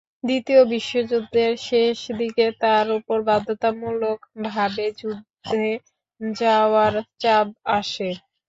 দ্বিতীয় বিশ্বযুদ্ধের শেষ দিকে তাঁর ওপর বাধ্যতামূলকভাবে যুদ্ধে যাওয়ার চাপ আসে।